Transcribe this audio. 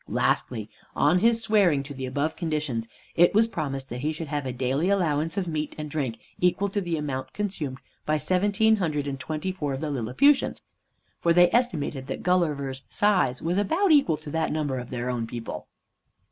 Lastly, on his swearing to the above conditions, it was promised that he should have a daily allowance of meat and drink equal to the amount consumed by seventeen hundred and twenty four of the Lilliputians, for they estimated that Gulliver's size was about equal to that number of their own people.